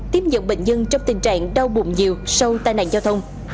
tiếp nhận bệnh nhân trong tình trạng đau bụng nhiều sau tai nạn giao thông